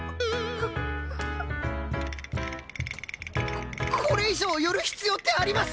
ここれ以上寄る必要ってあります？